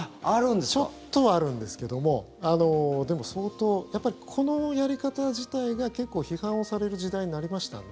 ちょっとはあるんですけども、でも相当やっぱりこのやり方自体が結構批判をされる時代になりましたので。